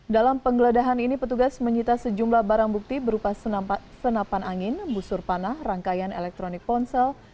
dalam penggeledahan ini petugas menyita sejumlah barang bukti berupa senapan angin busur panah rangkaian elektronik ponsel